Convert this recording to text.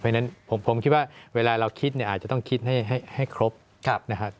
เพราะฉะนั้นผมคิดว่าเวลาเราคิดเนี่ยอาจจะต้องคิดให้ครบนะครับ